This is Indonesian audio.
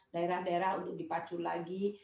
daerah daerah untuk dipacu lagi